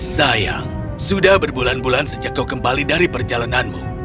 sayang sudah berbulan bulan sejak kau kembali dari perjalananmu